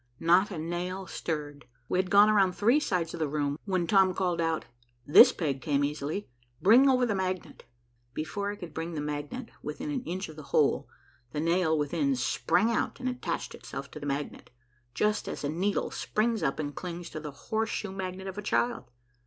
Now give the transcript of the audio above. Not a nail stirred. We had gone around three sides of the room, when Tom called out, "This peg came easily. Bring over the magnet." Before I could bring the magnet within an inch of the hole, the nail within sprang out and attached itself to the magnet, just as a needle springs up and clings to the horseshoe magnet of a child.